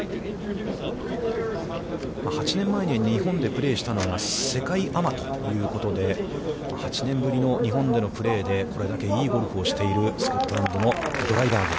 ８年前に日本でプレーしたのが世界アマということで、８年ぶりの日本でのプレーで、これだけいいゴルフをしているスコットランドのドライバーグ。